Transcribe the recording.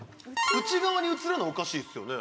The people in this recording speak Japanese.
内側に写るのおかしいですよね。